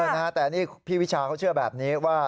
นะฮะแต่นี่พี่วิชาเขาเชื่อแบบนี้ว่า